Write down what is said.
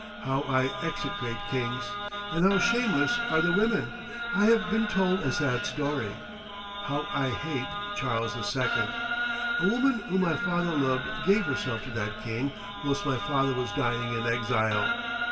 How I execrate kings! And how shameless are the women! I have been told a sad story. How I hate Charles II.! A woman whom my father loved gave herself to that king whilst my father was dying in exile.